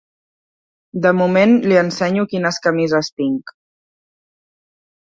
De moment li ensenyo quines camises tinc.